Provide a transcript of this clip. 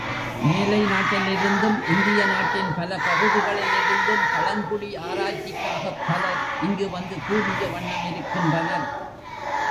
மேலை நாட்டிலிருந்தும், இந்திய நாட்டின் பல பகுதிகளிலிருந்தும், பழங்குடி ஆராய்ச்சி க்காகப் பலர் இங்கு வந்து கூடிய வண்ணமிருக்கின்றனர்.